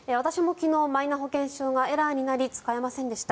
私も昨日マイナ保険証がエラーになり使えませんでした。